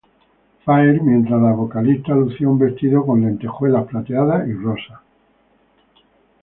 Fair mientras la vocalista lucía un vestido con lentejuelas plateadas y rosa.